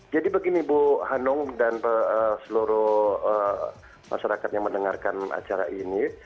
jadi begini bu hanong dan seluruh masyarakat yang mendengarkan acara ini